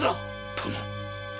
殿。